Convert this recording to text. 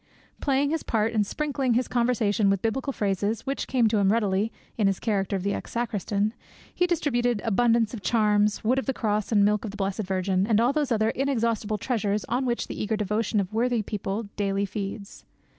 Playing his part and sprinkling his conversation with biblical phrases, which came to him readily, in his character of ex sacristan, he distributed abundance of charms, wood of the true Cross and milk of the Blessed Virgin, and all those other inexhaustible treasures on which the eager devotion of worthy people daily feeds.